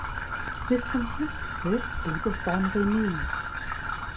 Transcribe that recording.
Bis zum Schlusspfiff blieb es beim Remis.